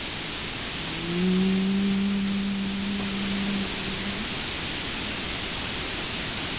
古い図書館の静寂の中で、古典の本のページをめくる音が聞こえる。知識の宝庫に身を置きながら、時間を忘れて本に没頭する喜びは格別だ。